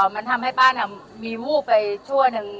มันทำให้ป้าน่ะมีวูบไปชั่วหนึ่ง